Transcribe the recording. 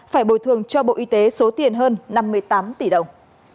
phải bồi thường cho bộ y tế số tiền hơn năm mươi tám tỷ đồng